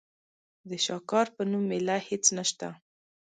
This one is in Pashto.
د شاکار په نوم مېله هېڅ نشته.